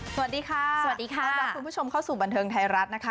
สวัสดีค่ะสวัสดีค่ะต้อนรับคุณผู้ชมเข้าสู่บันเทิงไทยรัฐนะคะ